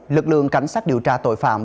lực lượng cảnh sát điều tra tội phạm